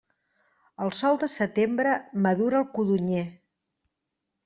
El sol de setembre madura el codonyer.